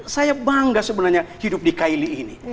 saya bangga sebenarnya hidup di kaili ini